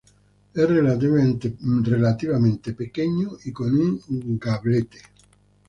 Es relativamente pequeño y con un gablete.